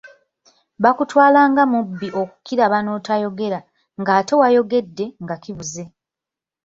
Bakutwala nga mubbi okukiraba n’otayogera, ng’ate wayogedde nga kibuze.